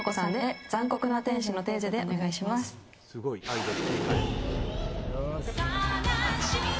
すごいアイドル。